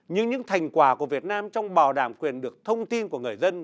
nhưng những thành quả của việt nam trong bảo đảm quyền được thông tin của người dân